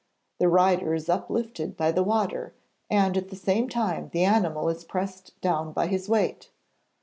The rider is uplifted by the water, and at the same time the animal is pressed down by his weight.